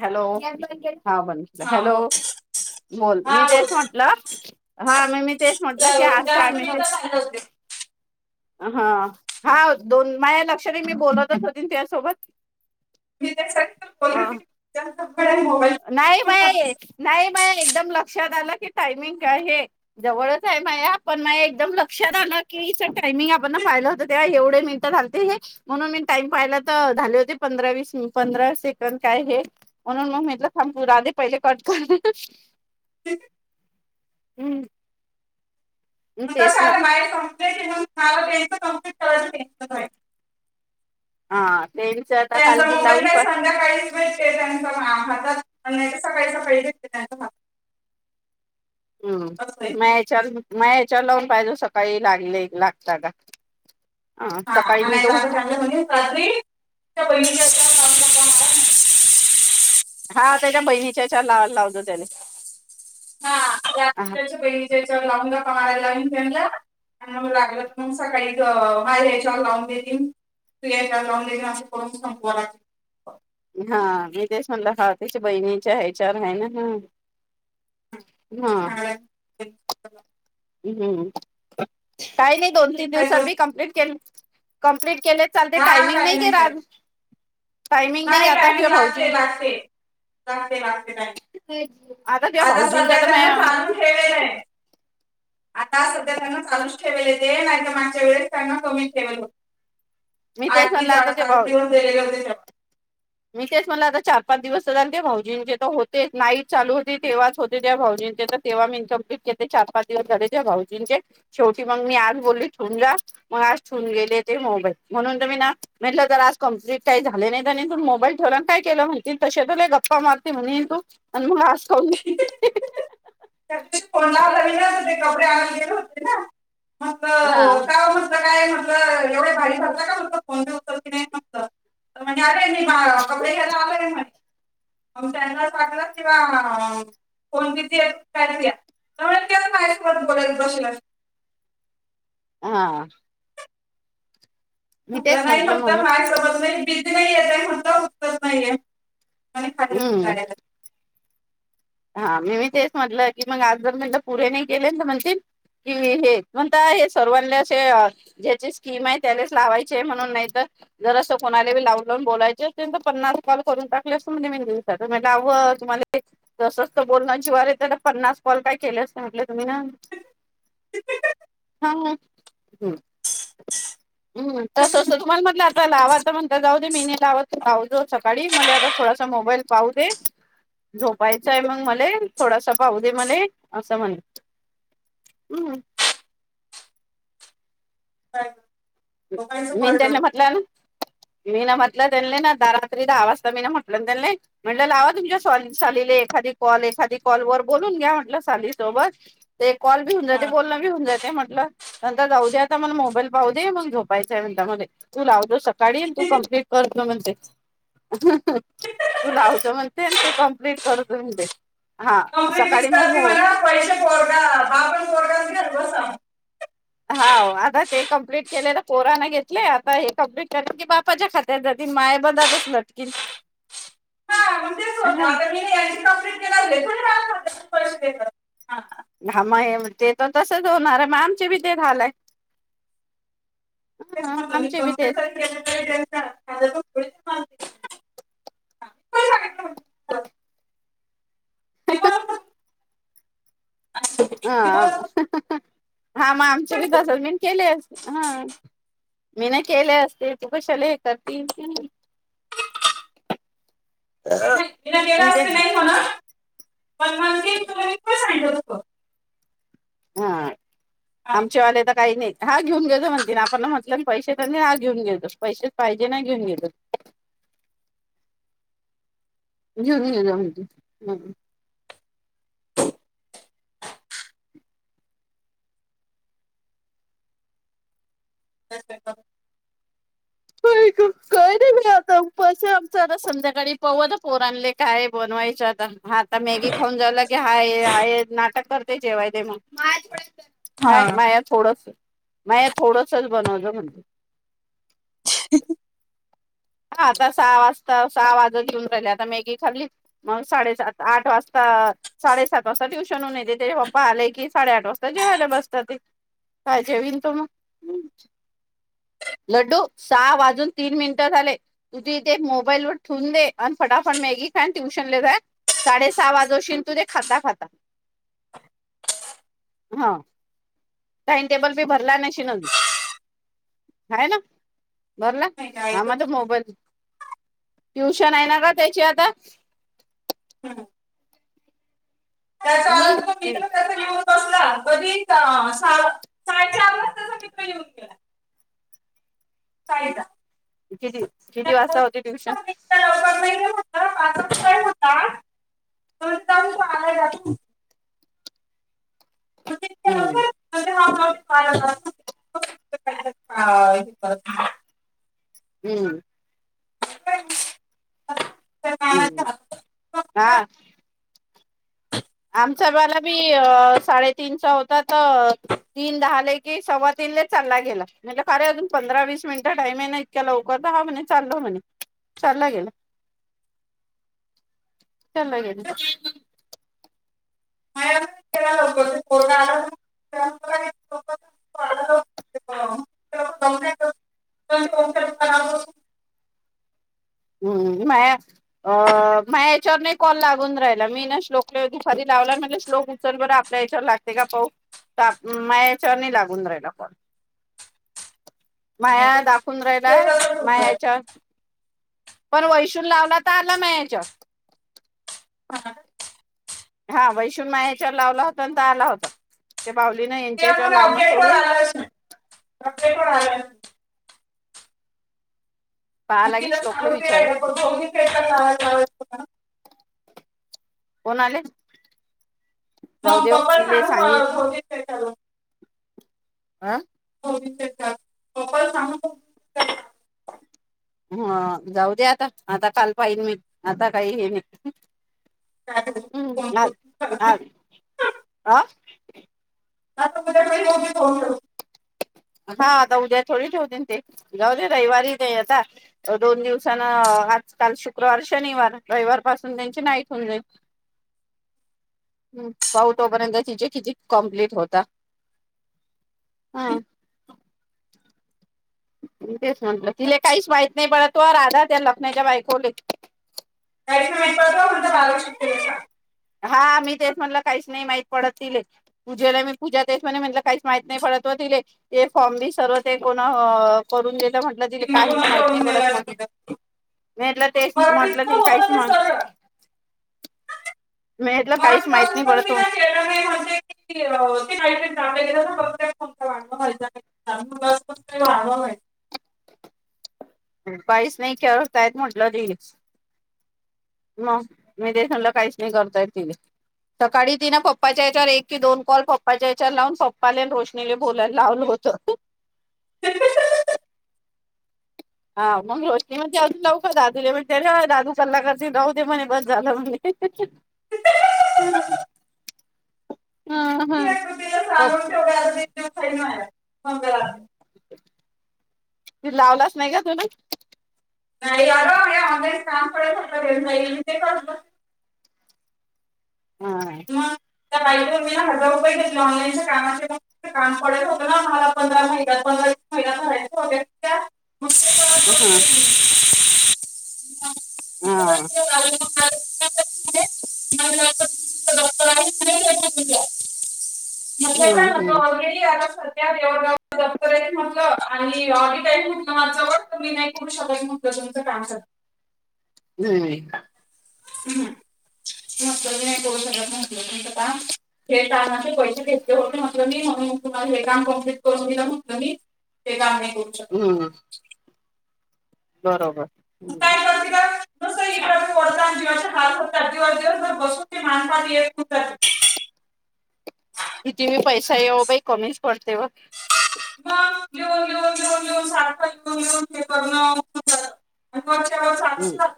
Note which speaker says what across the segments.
Speaker 1: Hello! हा बघितलं,
Speaker 2: हा
Speaker 1: हॅलो
Speaker 2: बोल
Speaker 1: बोल मी तेच म्हटलं हा मी तेच म्हटलं की
Speaker 2: तर
Speaker 1: आज काय
Speaker 2: जास्त
Speaker 1: मेसे
Speaker 2: मिनिटं फायदा होते
Speaker 1: हा हा दोन माझ्या लक्षणे मी बोलवतच हो त्यासोबत [inaudible]
Speaker 2: त्यांचा
Speaker 1: नाही बाय नाही बाय एकदम लक्षात आलं टायमिंग काय आहे जवळच आहे मा माझ्या एकदम लक्षात आलं कि टायमिंग आपण पाहिलं होत तेव्हा एवढे मिनिट झालते हे म्हणून मी टाइम पाहिला, तर झाले होते पंधरा वीस पंधरा सेकंड काय हे म्हणून म थांब पुढ आले पाहिलं कट कर
Speaker 2: [inaudible]
Speaker 1: हम्म. ह्
Speaker 2: कसं
Speaker 1: तेसना
Speaker 2: आता बाहेर कंप्लेंट आहे म्हणून मला तेच कम्प्लीट करायचं
Speaker 1: हा त्यांच आता
Speaker 2: त्यांचा
Speaker 1: कालगी
Speaker 2: मोबाईल
Speaker 1: लावून
Speaker 2: का
Speaker 1: पण
Speaker 2: संध्याकाळीच भेटते हातात सकाळी सकाळी घेतते त्यांचा हात
Speaker 1: हम्म म चल म ह्याच्यावर लावून पाहिजे सकाळी लागले लागता का ह
Speaker 2: हा
Speaker 1: सकाळी मी
Speaker 2: आणि
Speaker 1: तर उठून
Speaker 2: चांगलं म्हण रात्री पैसे
Speaker 1: हा त्याच्या बहिणीच्या चार लावायला लावत त्याने
Speaker 2: हाच्या पहिलीच्या लावून ला समारायला म फला आणि लागलं मग सकाळी बाहेर यायच्या लावून देतीलन तू यायच्या लावून देन असं करून संपवाला
Speaker 1: हा मी तेस म्हणलं हा त्याच्या बहिणीच्या ह्या चार आहे ना ह
Speaker 2: ह ह
Speaker 1: हम्म कायले दोन तीन
Speaker 2: काय करू?
Speaker 1: दिवसानि कंप्लीट के कंप्लीट केले चालते
Speaker 2: हा
Speaker 1: टायमिंग
Speaker 2: काही
Speaker 1: नाही का रा
Speaker 2: काही नाही टायमिंग ला असते ला असते काे
Speaker 1: तुझ्या
Speaker 2: आता
Speaker 1: भाऊजींचा
Speaker 2: सध्या
Speaker 1: तर
Speaker 2: त्यांना चालू ठेलेलय आता सध्या त्यांना चालूच ठेवेले तेे ना एकद मागच्या वेळेस त्यांना कमी ठेवेल हो
Speaker 1: तेच
Speaker 2: आठ मी
Speaker 1: म्हणलं आता
Speaker 2: चार
Speaker 1: ते
Speaker 2: सठ
Speaker 1: भाऊ
Speaker 2: दिवस गेलेते
Speaker 1: मी तेच म्हला आता चार पाच दिवस झाले ते भाऊजींचे तर होतेच नाईट चालू होते तेव्हाच होते ज भाऊजींचे तर तेव्हा मी इनकमप्लीट चार पाच दिवस झाले ज भाऊजींचे शेवटी मग मी आज बोलली ठून जा मग आज ठून गेले ते मोबाईल म्हणून त मी ना म्हंटलं जर आज कम्प्लीट काही झाले नाही तरथ मोबा बैठे काय केलं म्हणती त त गप्पा मारती म्ह तू आणि मग काऊन
Speaker 2: ह कोणाला कपडे आण गेले होते ना
Speaker 1: हा
Speaker 2: एवढ घाडी झाातला कात फोन उचल की नाही फक्त म्हणर कपडे घ्यायला आलाय म्हणे चॅ वाटला किंवा कोणतीती काय त्या काय बल बसेल
Speaker 1: हा मी
Speaker 2: आपलं
Speaker 1: तेच
Speaker 2: नाही
Speaker 1: म्हंटलं
Speaker 2: फक्त
Speaker 1: म्हणून
Speaker 2: माय सोबत नाही [unintelligible] [unintelligible]
Speaker 1: हम्म
Speaker 2: [unintelligible]
Speaker 1: हा मी मी तेच म्हटलं की मग आज जर म्हण पुढे नाही केले. तर म्हणतील की हे म्हणता हे सर्वांना असे ज्याची स्कीम आहे त्यालेच लावायचे म्हणून नाही. तर जर असं कोणालाी लावून ल बोलायचे अस पन्नास रुपाल करून टाकले अस म्हणजे म दितात म्हट आवं तुम्हाला. तसंच तर बोलण्या शिवाय त्याला पन्नास कॉल काय केले असते म्हटलं तुम्ही ना.. हा हम्म हम् तसं असतं तुम्हाला म्हटलं आता लावा आता म्हण आ जाऊ दे मी नाहीलावत जाऊदे जाऊदे सकाळी मला आता थोडासा मोबाईल पाहू दे झोप पाहाचंय मग मला थोडासा पाहू दे मले असं म्हण्
Speaker 2: ह
Speaker 1: मी त्यांना म्हटलं ना [inaudible] मी ना म्हटलं त्यांनी ना द रात्री दहा वाजता मी ना म्हटलं ना त्यांले म्हटलं लावा तुमच्या सालीले एखादी कॉल एखादी कॉल वर बोलून घ्या म्हटलं सालीसोबत ते. कॉल बी होऊन जाते बोलन बी होंऊन जाते ते म्हंटलं नंतर जाऊ दे आता मला मोबाईल पाहू दे मग. झोपायचय म्हण मला तू लाव दे शक तायडी आणि तू कंप्लिट कर म्हणते तू लावच म्हणते तू कमप्लीट करत म्हणते हा
Speaker 2: कंप्लीट मिस
Speaker 1: सकाळी मग
Speaker 2: करते
Speaker 1: मोळ
Speaker 2: म्हणा पैसे पोरगा बापन पोरगाच घर बसा
Speaker 1: हा आता ते कमप्लीट केलेलं पोराने घेतले आता हे कमप्लीट कर की बापाच्या खात्यात जातील माय बनातच लटकीन
Speaker 2: हा मग तेच होतं
Speaker 1: हा.
Speaker 2: आता मी यांची कंप्लीट केला थोडी मला खात्यातून पैसे देतात हा
Speaker 1: घ या ते तर तसच होणार आहे म आमचे बी ते झालंय.
Speaker 2: तेच
Speaker 1: ह
Speaker 2: म्हटल मी
Speaker 1: आमचे बी तेच
Speaker 2: कम्प्युटर केलं तर [unintelligible] सांगितलं होतं.
Speaker 1: हं
Speaker 2: मी
Speaker 1: हं
Speaker 2: बोलत होते,
Speaker 1: हा
Speaker 2: मी
Speaker 1: हां
Speaker 2: बोलत होते,
Speaker 1: ह ह ह हा मग आमचे बी
Speaker 2: कोणी बोलत
Speaker 1: तसेच मी केले अस हा मी ना केले असते तू कशाले हे करतील ह
Speaker 2: नाही ना गेलं
Speaker 1: मी
Speaker 2: असते
Speaker 1: तेच.
Speaker 2: नाही म्हणा पण म्हणते तुला मी पण सांगितलं होतं
Speaker 1: हा
Speaker 2: हा,
Speaker 1: आमच्या वाले तर काही नाही हा घेऊन गेल म्हणते, ना आपण म्हटलं पैसेत नाही घेऊन गेल पैसेच पाहिजे ना घेऊन गेल घेऊन गेल म्हणती.
Speaker 2: हं.. हं हं..
Speaker 1: आई ग काय? नी बाई आता उपास आमच आता संध्याकाळी पहु आता पोरणले काय बनवायच आता आता मॅगी खाऊन झाल की हाय हाय नाटक करते जेवायले मग [unintelligible]
Speaker 2: हा
Speaker 1: काय माया थोडस, माया थोडस. बनवलं म्हणले
Speaker 2: [unintelligible]
Speaker 1: हा आता सहा वाजता सहा वाजत येऊन राहिले. आता मॅगी खाल्ली मग साडेसात आठ वाजता साडेसात वाजता ट्युशनन येते. त्याचे पप्पा आले कि साडे आठ वाजता जेवायला बसतात, ते काय जेवीन तु मग लड्डू सहा वाजून तीन मिनिटं झाले. तू ती ते मोबाईल वर ठेवून दे आणि फटाफट मॅगी खाय अन ट्युशन जा साडे सहा वाजवशील तू ते खाता खाता हा टाइमटेबल बी भरला नशिल ह ना भरला
Speaker 2: नाही काय
Speaker 1: ह
Speaker 2: तर.
Speaker 1: माझ मो [unintelligible] टुशन आहे ना ग त्याची आता.
Speaker 2: त्याच आला त
Speaker 1: हम्म
Speaker 2: मित्र त्याच घेउन कसला? कधी? हा साडे सातच्या आधिच त्याचा मित्र येऊन गेला. साईचा
Speaker 1: किती? किती वाजता होते ट्युशन?
Speaker 2: येत होता एकदा आला जातो
Speaker 1: हम्म
Speaker 2: करत
Speaker 1: हम्म
Speaker 2: ह
Speaker 1: हम्म हा आमचा बाला बी अ साडेतीनचा होता तर तीन दहाले कि सव्वा तीनले चालला गेला म्हणले कारे अजून पंधरा वीस मिनिटं टाईम आहे ना इतक्या लवकरतर हा म्हणे चाललो म्हणे चालला गेला चाला गेला
Speaker 2: पोरगा आला ना तो मी तो आहे
Speaker 1: हम्म माया अ माया याच्यावर नाही कॉल लागून राहिला मी ना श्लोकात दुपारी लावला म्हणला श्लोक उचल बर आपल्या याच्यावर लागते का पाऊ त मा याच्यावर नाही लागून राहिला कॉल माया दाखवून राहिला मा याच्यावर पण वैशून लावला तर आला माया ह्याच्याव हा वैष्णून मायाच्यावर लावला होता ना तर आला होता ते बावलीन यांच्याच्यावर लावण सोडून
Speaker 2: अपडेट वर आलं
Speaker 1: पहा
Speaker 2: मग
Speaker 1: लागेल्
Speaker 2: तिला
Speaker 1: श्लोकला
Speaker 2: सांगू ते
Speaker 1: विचारुन
Speaker 2: दोन्ही फेटा लावायला लावायचं
Speaker 1: कोण आले जाऊ
Speaker 2: मग
Speaker 1: देव
Speaker 2: पप्पा
Speaker 1: तिले
Speaker 2: सांगू
Speaker 1: सांगे
Speaker 2: दोन्ही फेटा
Speaker 1: आं
Speaker 2: पप्पा सांगून
Speaker 1: हा जाऊ दे आता आता काल पाहिन मी आता काही हे नाही
Speaker 2: काय फोन
Speaker 1: हम् आ
Speaker 2: करून
Speaker 1: आ अ
Speaker 2: आता उद्या पहिले उभी फोन करू
Speaker 1: हा आता उद्या थोडी ठेवतेन ते जाऊदे रविवारी जाई आता दोन दिवसान आजकाल शुक्रवार शनिवार रविवार पासून त्यांची नाईट होऊन जाईल हम् पाहु तोपर्यंत तिची किती कम्प्लीट होता हम तेच म्हटलं तिला काहीच माहित नाही बर तो राधा त्या लखनाच्या बायकोले
Speaker 2: ण बालक शिक
Speaker 1: हा मी तेच म्हटलं काहीच नाही माहित पडत तिले पूजेला मी पूजा तेच म्हणे म्हटलं काहीच माहित नाही पडत हो तिले फॉर्म बी सर्व ते कोण करून घेत म्हटलं तिले
Speaker 2: कोण
Speaker 1: काहीच माहित नाही
Speaker 2: करून
Speaker 1: पडत
Speaker 2: दिला
Speaker 1: म्हटल
Speaker 2: तिथं
Speaker 1: मी म्हटलं तेच
Speaker 2: मराठीत
Speaker 1: म्हंटलं
Speaker 2: तर
Speaker 1: तिले काहीच
Speaker 2: होतं ते
Speaker 1: मा
Speaker 2: सरळ
Speaker 1: मी म्हटलं काहीच
Speaker 2: मराठीत
Speaker 1: माहित
Speaker 2: असून
Speaker 1: नाही
Speaker 2: पण
Speaker 1: पडत
Speaker 2: तिला वाढ वाढवाहि
Speaker 1: काहीच नाही करतायत म्हटलं तस मग मी ते म्हटलं काहीच नाही करतायत त सकाळी तिनं पप्पाच्या याच्यावर एक की दोन कॉल पप्पाच्या याच्यावर लावून पप्पाला रोशनीला बोलायला लावलं होत हा मग रोशनी मानते अजून लावुका दादूले म्हणे त्या दादू कल्लाकरते म्हणे राहुदे म्हणे बस झालं म्हणे हा हा. हो
Speaker 2: [unintelligible] [unintelligible]
Speaker 1: लावलाच नाही का तुला
Speaker 2: नाही अग ऑन काम पडे हो नाही ते
Speaker 1: हा
Speaker 2: त्याई मी ना हजार रुपये घेतले ऑनलाईनच्या कामाचे काम पडयच होते ना आम्हाला पंधरा महि पंधरा वीस महि करायच होत
Speaker 1: हा
Speaker 2: [inaudible] [unintelligible] [unintelligible]
Speaker 1: हा.
Speaker 2: म्हटलं का
Speaker 1: हम्म
Speaker 2: ना तो
Speaker 1: हम्म
Speaker 2: ऑलरेडी आरा व जप्तेत म्हटलं आणि ऑग टाईम म्हटलं माझव तर मी नाही करू शकतत म्हटलं तुमचं काम करत
Speaker 1: हम्
Speaker 2: ह म्हटल नाही सगळत म्हटलं तुमचं काम हे कामाचे पैसे घेतले होते म्हट मी म्हणून तुम्हाला हे काम कंप्लीट करून दिलं म्हटलं मी ते काम [unintelligible]
Speaker 1: हम्म बरोबर हम्
Speaker 2: काय करते [unintelligible]
Speaker 1: कती मही पैसा येव बाई कमीच पडतेव
Speaker 2: मग घेऊन येेऊन येेऊन येेऊन सारखं येऊन येेऊन ते करण
Speaker 1: हम्म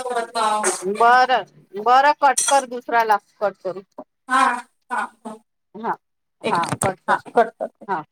Speaker 2: [unintelligible] [unintelligible]
Speaker 1: बारा बरा कट कर दुसरा लाव कट करू
Speaker 2: हा हा ह
Speaker 1: हा हा कट
Speaker 2: कर
Speaker 1: हा